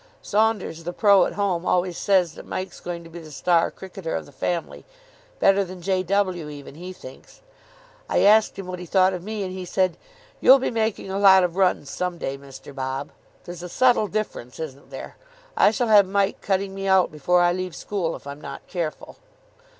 "Saunders, the pro. at home, always says that Mike's going to be the star cricketer of the family. Better than J. W. even, he thinks. I asked him what he thought of me, and he said, 'You'll be making a lot of runs some day, Mr. Bob.' There's a subtle difference, isn't there? I shall have Mike cutting me out before I leave school if I'm not careful."